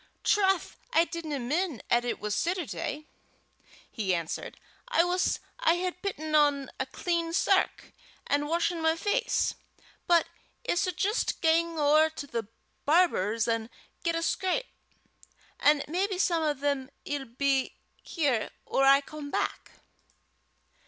"Troth, I didna min' 'at it was Setterday," he answered. "I wuss I had pitten on a clean sark, an' washen my face. But I s' jist gang ower to the barber's an' get a scrape, an' maybe some o' them 'ill be here or I come back."